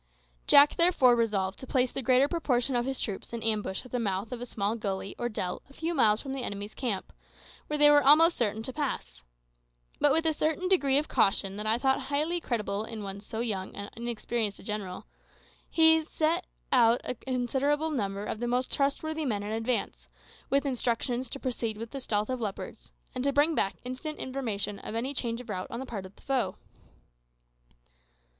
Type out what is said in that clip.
Jack therefore resolved to place the greater proportion of his troops in ambush at the mouth of a small gully or dell a few miles from the enemy's camp, where they were almost certain to pass. But with a degree of caution that I thought highly creditable in so young and inexperienced a general, he sent out a considerable number of the most trustworthy men in advance, with instructions to proceed with the stealth of leopards, and to bring back instant information of any change of route on the part of the foe.